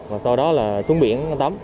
và sau đó là xuống biển tắm